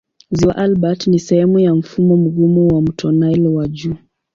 Ziwa Albert ni sehemu ya mfumo mgumu wa mto Nile wa juu.